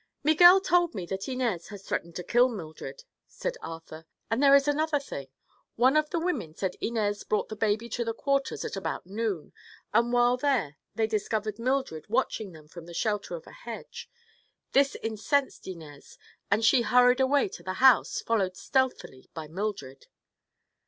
"Miguel told me that Inez has threatened to kill Mildred," said Arthur. "And there is another thing: one of the women said Inez brought the baby to the quarters, at about noon, and while there they discovered Mildred watching them from the shelter of a hedge. This incensed Inez and she hurried away to the house, followed stealthily by Mildred."